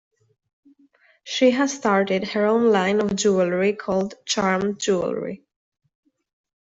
She has started her own line of jewelry called "Charmed Jewelry".